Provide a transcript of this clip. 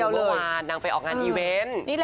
เมื่อวานนางไปออกงานอีเวนต์